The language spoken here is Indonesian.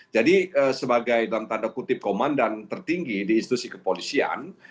jadi sebagai dalam tanda kutip komandan tertinggi di institusi kepolisian